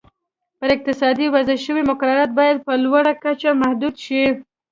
پر اقتصاد وضع شوي مقررات باید په لویه کچه محدود شي.